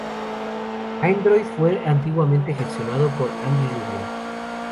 Android fue antiguamente gestionado por Andy Rubin.